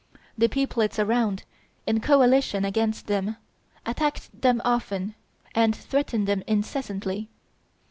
The peoplets around, in coalition against them, attacked them often, and threatened them incessantly.